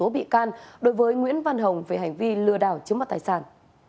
tố bị can đối với nguyễn văn hồng về hành vi lừa đảo chiếm mặt tài sản